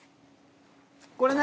これ何？